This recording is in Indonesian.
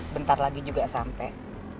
bentar lagi juga sampai